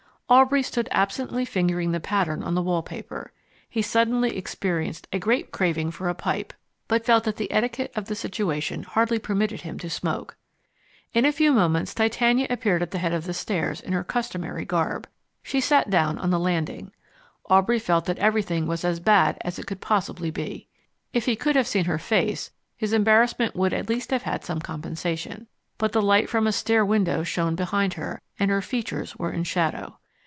Aubrey stood absently fingering the pattern on the wallpaper. He suddenly experienced a great craving for a pipe, but felt that the etiquette of the situation hardly permitted him to smoke. In a few moments Titania appeared at the head of the stairs in her customary garb. She sat down on the landing. Aubrey felt that everything was as bad as it could possibly be. If he could have seen her face his embarrassment would at least have had some compensation. But the light from a stair window shone behind her, and her features were in shadow.